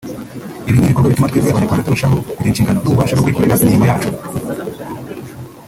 Ibi ni ibikorwa bituma twebwe Abanyarwanda turushaho kugira inshingano n’ububasha bwo kwikorera imirimo yacu